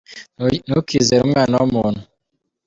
Ntukizere umwana w’umuntu.